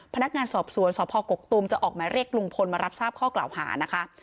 พนักงานสอบสวนสพกกตูมจะออกมาเรียกลุงพลมารับทราบข้อกล่าวหานะคะ